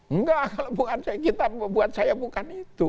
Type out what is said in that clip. enggak kalau kita buat saya bukan itu